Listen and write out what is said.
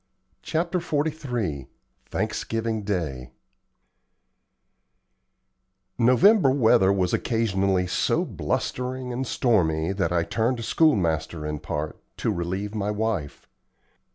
CHAPTER XLIII THANKSGIVING DAY November weather was occasionally so blustering and stormy that I turned schoolmaster in part, to relieve my wife.